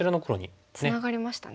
つながりましたね。